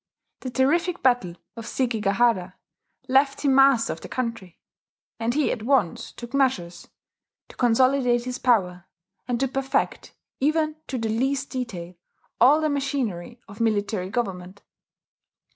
The terrific battle of Sekigahara left him master of the country; and he at once took measures to consolidate his power, and to perfect, even to the least detail, all the machinery of military government.